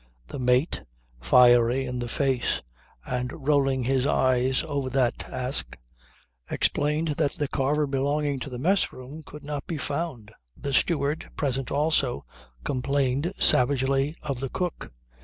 The mate, fiery in the face and rolling his eyes over that task, explained that the carver belonging to the mess room could not be found. The steward, present also, complained savagely of the cook.